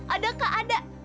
ada kak ada